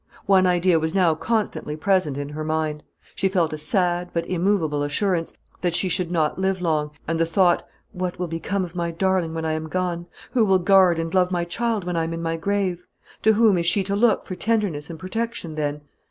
One idea was now constantly present in her mind. She felt a sad, but immovable assurance, that she should not live long, and the thought, "what will become of my darling when I am gone; who will guard and love my child when I am in my grave; to whom is she to look for tenderness and protection then?"